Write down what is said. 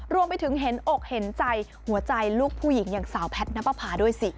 รวมไปถึงเห็นอกเห็นใจหัวใจลูกผู้หญิงอย่างสาวแพทย์นับประพาด้วยสิ